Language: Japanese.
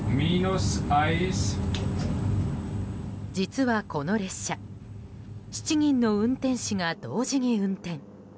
実はこの列車７人の運転士が同時に運転。